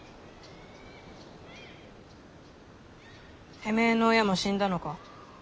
てめえの親も死んだのか？